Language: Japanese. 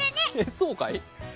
そうかい？